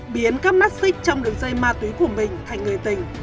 biến các mắt xích trong đường dây ma túy của mình thành người tình